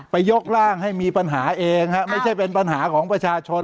ยกร่างให้มีปัญหาเองฮะไม่ใช่เป็นปัญหาของประชาชน